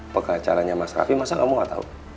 pengacaranya mas raffi masa enggak mau tau